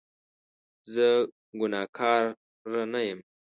زه ګناکاره نه یم